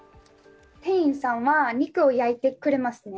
店員さんは肉を焼いてくれますね。